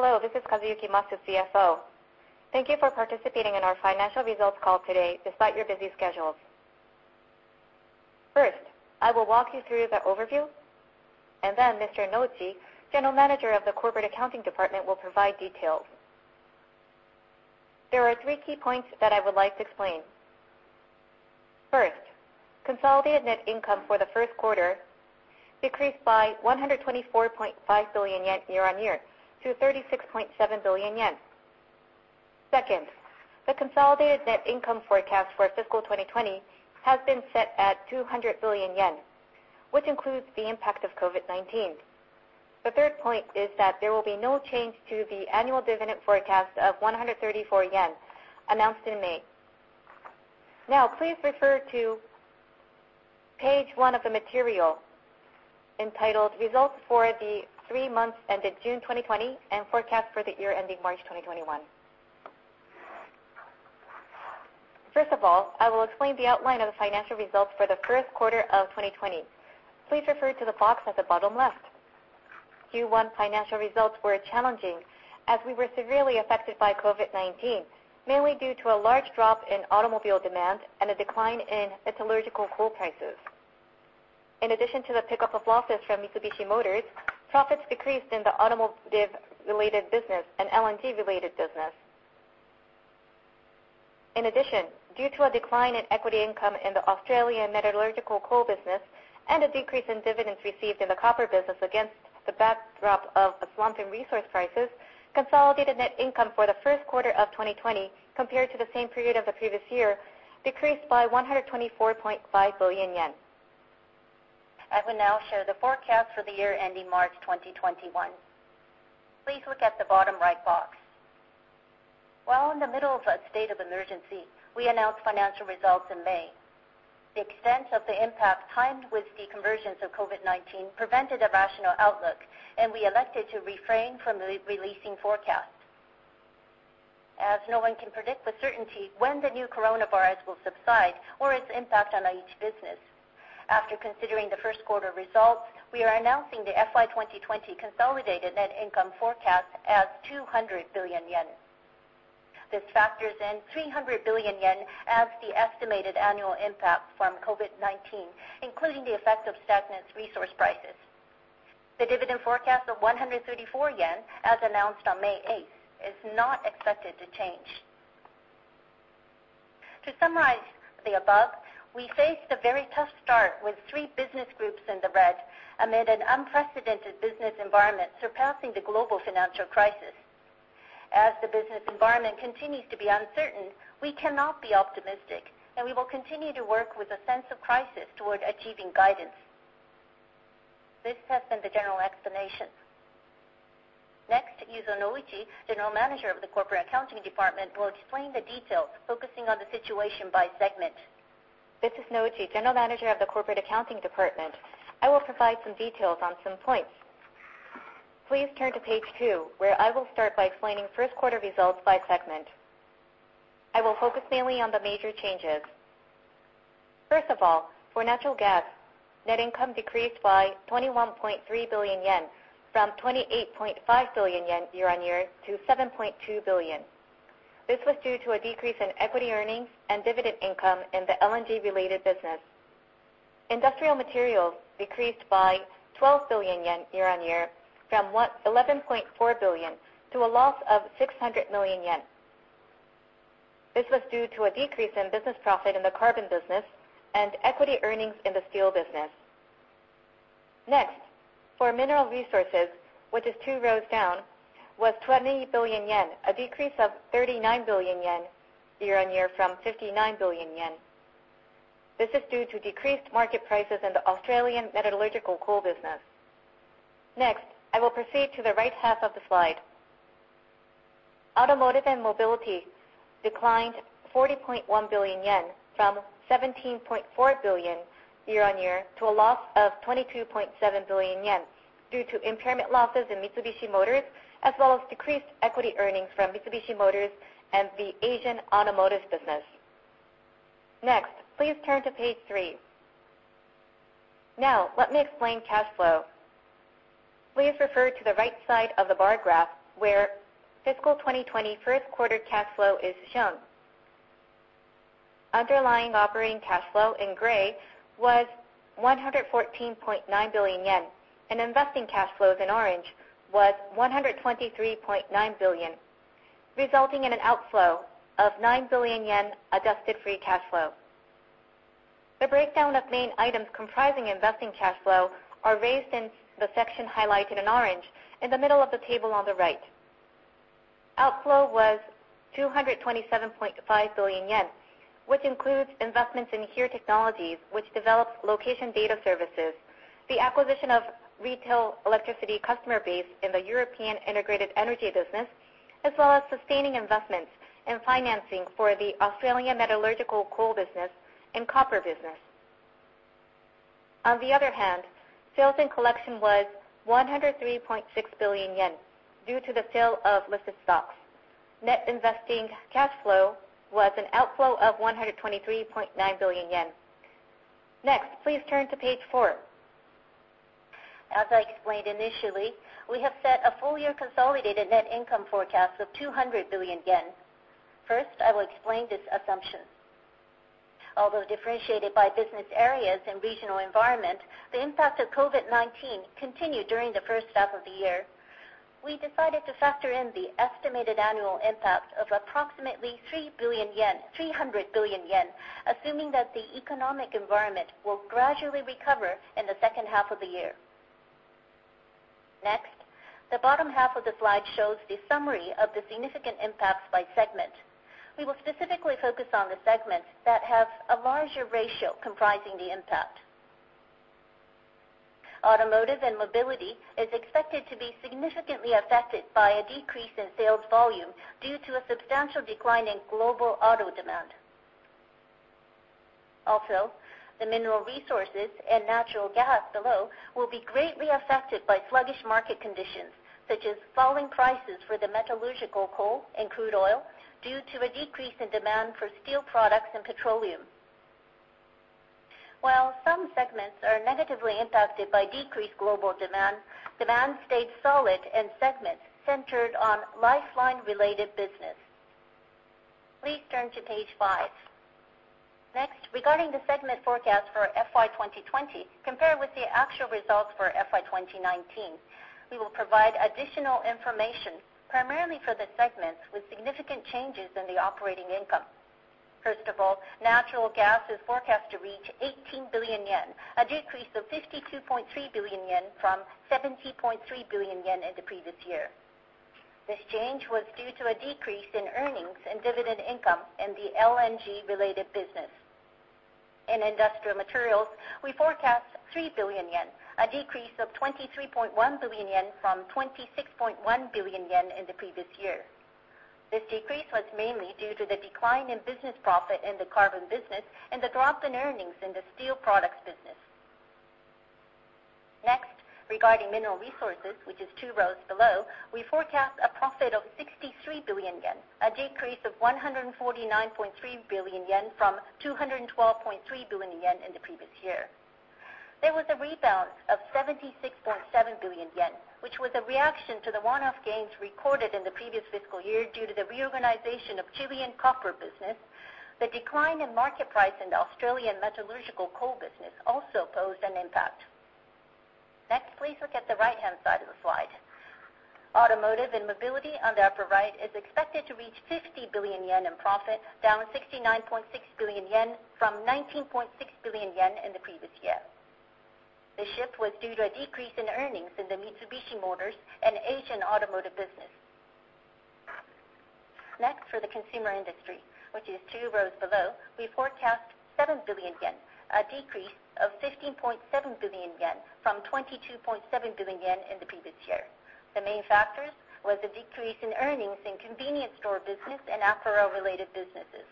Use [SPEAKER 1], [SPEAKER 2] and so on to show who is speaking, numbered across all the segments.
[SPEAKER 1] Hello, this is Kazuyuki Masu, CFO. Thank you for participating in our financial results call today despite your busy schedules. First, I will walk you through the overview, and then Mr. Nouchi, General Manager of the Corporate Accounting Department, will provide details. There are three key points that I would like to explain. First, consolidated net income for the first quarter decreased by 124.5 billion yen year-on-year to 36.7 billion yen. Second, the consolidated net income forecast for fiscal 2020 has been set at 200 billion yen, which includes the impact of COVID-19. The third point is that there will be no change to the annual dividend forecast of 134 yen announced in May. Please refer to page one of the material entitled results for the three Months Ended June 2020 and Forecast for the Year Ending March 2021. First of all, I will explain the outline of the financial results for the first quarter of 2020. Please refer to the box at the bottom left. Q1 financial results were challenging as we were severely affected by COVID-19, mainly due to a large drop in automobile demand and a decline in metallurgical coal prices. In addition to the pickup of losses from Mitsubishi Motors, profits decreased in the automotive-related business and LNG-related business. In addition, due to a decline in equity income in the Australian metallurgical coal business and a decrease in dividends received in the copper business against the backdrop of a slump in resource prices, consolidated net income for the first quarter of 2020 compared to the same period of the previous year decreased by 124.5 billion yen. I will now show the forecast for the year ending March 2021. Please look at the bottom right box. While in the middle of a state of emergency, we announced financial results in May. The extent of the impact timed with the convergence of COVID-19 prevented a rational outlook, and we elected to refrain from releasing forecasts, as no one can predict with certainty when the new coronavirus will subside or its impact on each business. After considering the first quarter results, we are announcing the FY 2020 consolidated net income forecast as 200 billion yen. This factors in 300 billion yen as the estimated annual impact from COVID-19, including the effect of stagnant resource prices. The dividend forecast of 134 yen, as announced on May 8th, is not expected to change. To summarize the above, we faced a very tough start with three business groups in the red amid an unprecedented business environment surpassing the global financial crisis. As the business environment continues to be uncertain, we cannot be optimistic, and we will continue to work with a sense of crisis toward achieving guidance. This has been the general explanation. Next, Yuzo Nouchi, General Manager of the Corporate Accounting Department, will explain the details, focusing on the situation by segment.
[SPEAKER 2] This is Nouchi, General Manager of the Corporate Accounting Department. I will provide some details on some points. Please turn to page two, where I will start by explaining first quarter results by segment. I will focus mainly on the major changes. First of all, for Natural Gas, net income decreased by 21.3 billion yen from 28.5 billion yen year-on-year to 7.2 billion. This was due to a decrease in equity earnings and dividend income in the LNG-related business. Industrial Materials decreased by 12 billion yen year-on-year from 11.4 billion to a loss of 600 million yen. This was due to a decrease in business profit in the carbon business and equity earnings in the steel business. Next, for Mineral Resources, which is two rows down, was 20 billion yen, a decrease of 39 billion yen year-on-year from 59 billion yen. This is due to decreased market prices in the Australian metallurgical coal business. I will proceed to the right half of the slide. Automotive and mobility declined 40.1 billion yen from 17.4 billion year-on-year to a loss of 22.7 billion yen due to impairment losses in Mitsubishi Motors, as well as decreased equity earnings from Mitsubishi Motors and the Asian automotive business. Please turn to page three. Let me explain cash flow. Please refer to the right side of the bar graph, where FY 2020 first quarter cash flow is shown. Underlying operating cash flow in gray was 114.9 billion yen, and investing cash flows in orange was 123.9 billion, resulting in an outflow of 9 billion yen adjusted free cash flow. The breakdown of main items comprising investing cash flow are raised in the section highlighted in orange in the middle of the table on the right. Outflow was 227.5 billion yen, which includes investments in HERE Technologies, which develops location data services, the acquisition of retail electricity customer base in the European integrated energy business, as well as sustaining investments and financing for the Australian metallurgical coal business and copper business. Sales and collection was 103.6 billion yen due to the sale of listed stocks. Net investing cash flow was an outflow of 123.9 billion yen. Next, please turn to page four. As I explained initially, we have set a full year consolidated net income forecast of 200 billion yen. First, I will explain this assumption. Although differentiated by business areas and regional environment, the impact of COVID-19 continued during the first half of the year. We decided to factor in the estimated annual impact of approximately 300 billion yen, assuming that the economic environment will gradually recover in the second half of the year. Next, the bottom half of the slide shows the summary of the significant impacts by segment. We will specifically focus on the segments that have a larger ratio comprising the impact. Automotive and Mobility is expected to be significantly affected by a decrease in sales volume due to a substantial decline in global auto demand. The mineral resources and natural gas below will be greatly affected by sluggish market conditions, such as falling prices for the metallurgical coal and crude oil due to a decrease in demand for steel products and petroleum. While some segments are negatively impacted by decreased global demand stayed solid in segments centered on lifeline-related business. Please turn to page five. Regarding the segment forecast for FY 2020, compared with the actual results for FY 2019, we will provide additional information primarily for the segments with significant changes in the operating income. Natural gas is forecast to reach 18 billion yen, a decrease of 52.3 billion yen from 70.3 billion yen in the previous year. This change was due to a decrease in earnings and dividend income in the LNG-related business. In industrial materials, we forecast 3 billion yen, a decrease of 23.1 billion yen from 26.1 billion yen in the previous year. This decrease was mainly due to the decline in business profit in the carbon business and the drop in earnings in the steel products business. Next, regarding mineral resources, which is two rows below, we forecast a profit of 63 billion yen, a decrease of 149.3 billion yen from 212.3 billion yen in the previous year. There was a rebound of 76.7 billion yen, which was a reaction to the one-off gains recorded in the previous fiscal year due to the reorganization of Chilean copper business. The decline in market price in the Australian metallurgical coal business also posed an impact. Next, please look at the right-hand side of the slide. Automotive and mobility on the upper right is expected to reach 50 billion yen in profit, down 69.6 billion yen from 19.6 billion yen in the previous year. The shift was due to a decrease in earnings in the Mitsubishi Motors and Asian automotive business. Next, for the consumer industry, which is two rows below, we forecast 7 billion yen, a decrease of 15.7 billion yen from 22.7 billion yen in the previous year. The main factors was the decrease in earnings in convenience store business and Acuro-related businesses.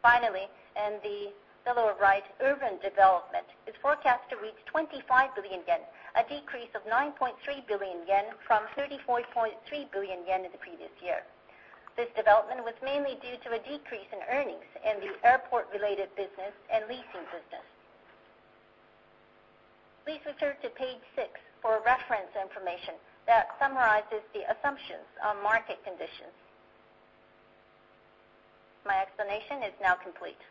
[SPEAKER 2] Finally, in the lower right, urban development is forecast to reach 25 billion yen, a decrease of 9.3 billion yen from 34.3 billion yen in the previous year. This development was mainly due to a decrease in earnings in the airport-related business and leasing business. Please refer to page six for reference information that summarizes the assumptions on market conditions. My explanation is now complete.